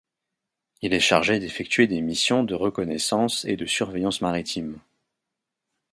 Il est chargé d'effectuer des missions de reconnaissance et de surveillance maritime.